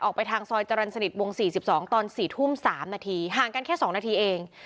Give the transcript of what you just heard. ออกไปทางซอยจรรย์สนิทวงสี่สิบสองตอนสี่ทุ่มสามนาทีห่างกันแค่สองนาทีเอง